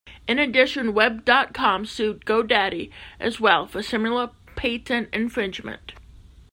In addition, Web dot com sued Go Daddy as well for similar patent infringement.